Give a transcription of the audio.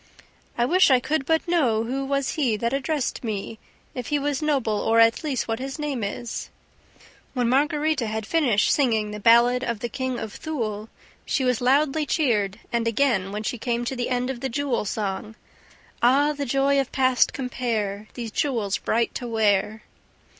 "I wish I could but know who was he That addressed me, If he was noble, or, at least, what his name is ..." When Margarita had finished singing the ballad of the KING OF THULE, she was loudly cheered and again when she came to the end of the jewel song: "Ah, the joy of past compare These jewels bright to wear!